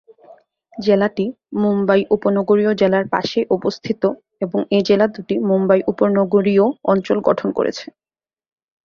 জেলাটি মুম্বই উপনগরীয় জেলার পাশেই অবস্থিত এবং এই জেলা দুটি মুম্বই মহানগরীয় অঞ্চল গঠন করেছে।